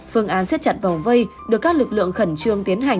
phương án xếp chặt vòng vây được các lực lượng khẩn trương tiến hành